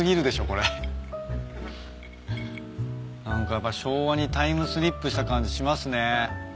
何かやっぱ昭和にタイムスリップした感じしますね。